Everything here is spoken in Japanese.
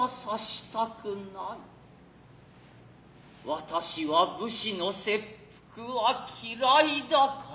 私は武士の切腹は嫌ひだから。